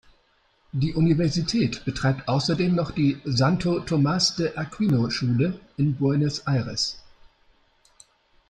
Die Universität betreibt außerdem noch die Santo Tomás de Aquino Schule in Buenos Aires.